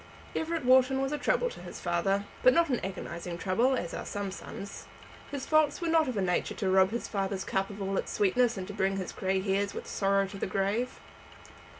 Everett Wharton was a trouble to his father, but not an agonizing trouble, as are some sons. His faults were not of a nature to rob his father's cup of all its sweetness and to bring his grey hairs with sorrow to the grave.